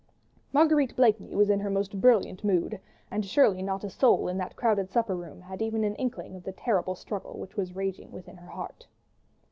Marguerite Blakeney was in her most brilliant mood, and surely not a soul in that crowded supper room had even an inkling of the terrible struggle which was raging within her heart.